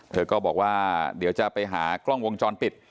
เธอก็บอกว่าเดี๋ยวจะไปหากล้องวงจรปิด